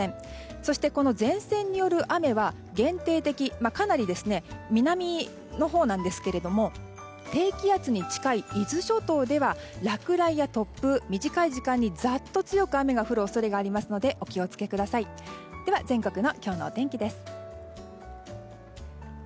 そして、前線による雨は限定的でかなり南のほうなんですけれども低気圧に近い伊豆諸島では落雷や突風、短い時間にざっと強く雨が降る恐れがありますのでお気を付けください。